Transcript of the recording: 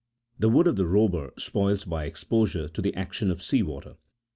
The wood of the robur spoils by exposure to the action ol sea water.